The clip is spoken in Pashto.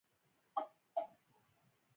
دا د پایلې اخیستنې او ارزیابۍ مرحله ده.